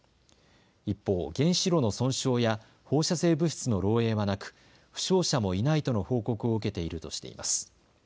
一方、原子炉の損傷や放射性物質の漏えいはなく負傷者もいないとの報告を受けているとしています。